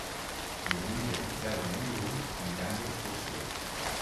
Diumenge en Telm i en Bru aniran d'excursió.